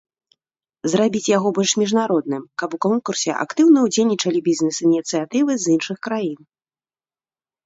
Зрабіць яго больш міжнародным, каб у конкурсе актыўна ўдзельнічалі бізнес-ініцыятывы з іншых краін.